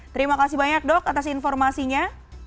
terima kasih banyak dok atas informasinya